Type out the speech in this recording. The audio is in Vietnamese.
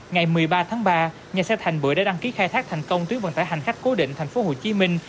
ngày một mươi ba tháng ba nhà xe thành bưởi đã đăng ký khai thác thành công tuyến vận tải hành khách cố định thành phố hồ chí minh